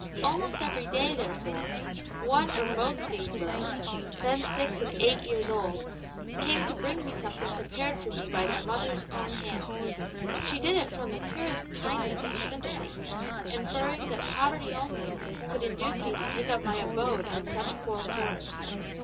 Almost every day, therefore, one or both these girls, then six and eight years old, came to bring me something prepared for me by their mother's own hands. She did it from the purest kindness and sympathy; inferring that poverty only could induce me to take up my abode in such poor quarters.